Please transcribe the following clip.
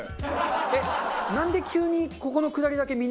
えっなんで急に。